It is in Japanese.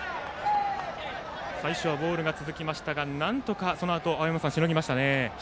最初はボールが続きましたがなんとかそのあと青山さんしのぎましたね。